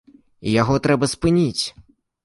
І яго трэба спыніць.